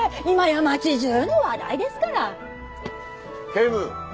警部。